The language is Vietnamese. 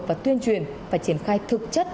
và tuyên truyền và triển khai thực chất